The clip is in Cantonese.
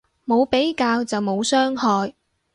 冇比較就冇傷害